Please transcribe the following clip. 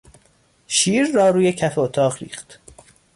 شیر را روی کف اتاق ریخت.